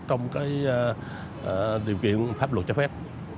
trong điều kiện pháp luật cho phép